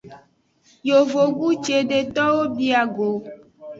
Yovogbu cedewo bia go.